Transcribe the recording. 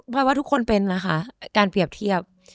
ว่าทุกคนเป็นล่ะค่ะการเปรียบเทียบ